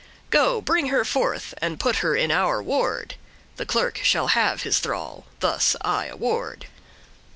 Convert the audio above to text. Go, bring her forth, and put her in our ward The clerk shall have his thrall: thus I award."